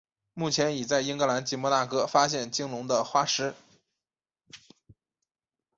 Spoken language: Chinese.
目前已在英格兰及摩纳哥发现鲸龙的化石。